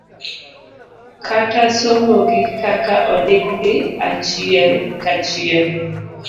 kata somogi kaka ondikgi achiel kachiel